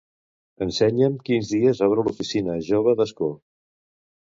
Ensenya'm quins dies obre l'oficina jove d'Ascó.